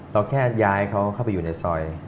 เราแค่ย้ายเขาเข้าไปอยู่ในซอย